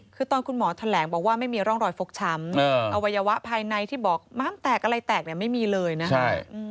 คือตอนคุณหมอแถลงบอกว่าไม่มีร่องรอยฟกช้ำอวัยวะภายในที่บอกม้ามแตกอะไรแตกเนี่ยไม่มีเลยนะครับ